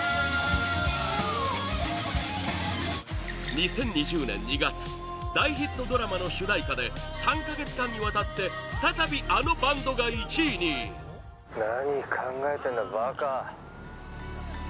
２０２０年２月大ヒットドラマの主題歌で３か月間にわたって再び、あのバンドが１位に天堂：何考えてんだ、馬鹿。